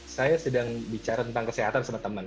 saya sedang bicara tentang kesehatan sama teman